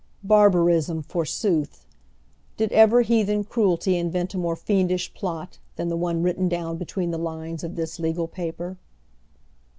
Barbarism for sooth ! Did ever heathen cruelty invent a more fiendish plot than the one written down between the lines of this legal paper?